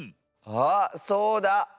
あっそうだ。